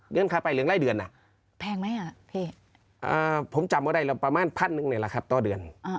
เดือนค่าใบเหลืองได้รายเดือน